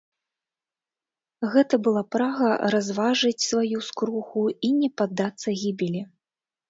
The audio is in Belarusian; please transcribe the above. Гэта была прага разважыць сваю скруху і не паддацца гібелі.